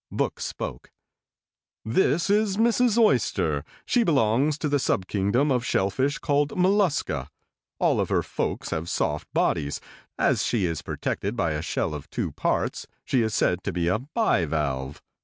Book spoke: "This is Mrs. Oyster. She belongs to the subkingdom of shellfish called Mollusca. All of her folks have soft bodies. As she is protected by a shell of two parts, she is said to be a bi valve.